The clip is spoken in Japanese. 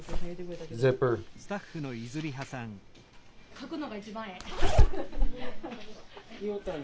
書くのが一番ええ。